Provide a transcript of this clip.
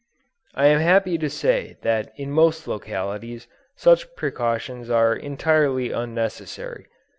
I am happy to say that in most localities such precautions are entirely unnecessary.